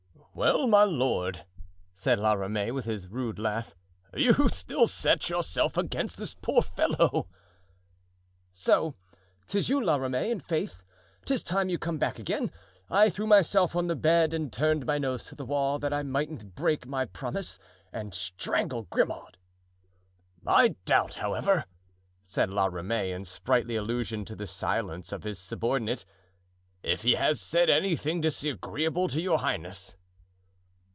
"Well, my lord," said La Ramee, with his rude laugh, "you still set yourself against this poor fellow?" "So! 'tis you, La Ramee; in faith, 'tis time you came back again. I threw myself on the bed and turned my nose to the wall, that I mightn't break my promise and strangle Grimaud." "I doubt, however," said La Ramee, in sprightly allusion to the silence of his subordinate, "if he has said anything disagreeable to your highness."